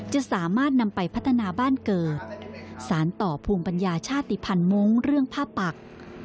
จะสามารถนำไปพัฒนาบ้านเกิดสารต่อภูมิปัญญาชาติภัณฑ์มงค์เรื่องผ้าปัก